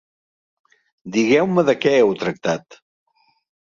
Digueu-me de què heu tractat.